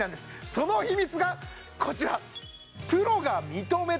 その秘密がこちら！